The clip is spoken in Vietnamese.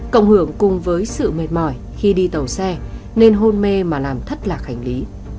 cộng hưởng cùng với sự mệt mỏi khi đi tàu xe nên hôn mê mà làm thất lạc hành lý